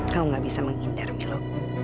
kau gak bisa menghindar jelu